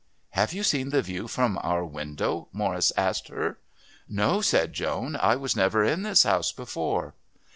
"Have you seen the view from our window?" Morris asked her. "No," said Joan, "I was never in this house before."